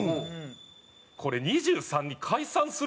これ２３に解散するんちゃう？